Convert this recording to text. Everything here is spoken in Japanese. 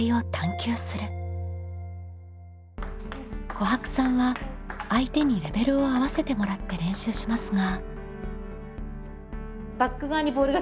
こはくさんは相手にレベルを合わせてもらって練習しますが。